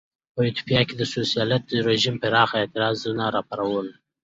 په ایتوپیا کې د سوسیالېست رژیم پراخ اعتراضونه را وپارول.